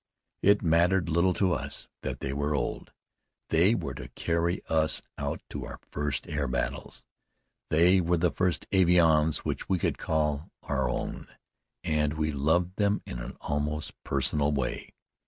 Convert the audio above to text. It mattered little to us that they were old. They were to carry us out to our first air battles; they were the first avions which we could call our own, and we loved them in an almost personal way.